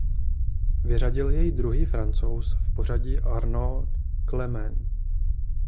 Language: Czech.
Vyřadil jej druhý Francouz v pořadí Arnaud Clément.